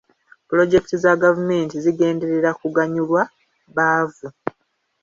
Pulojekiti za gavumenti zigenderera kuganyulwa baavu.